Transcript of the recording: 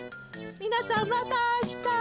みなさんまたあした。